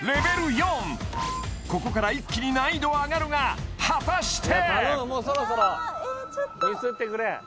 ４ここから一気に難易度は上がるが果たして！